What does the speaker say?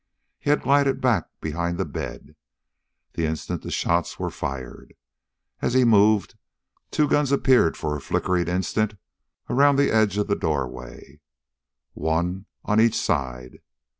He had glided back behind the bed, the instant the shots were fired. As he moved, two guns appeared for a flickering instant around the edge of the doorway, one on each side.